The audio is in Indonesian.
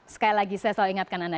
sekali lagi saya selalu ingatkan anda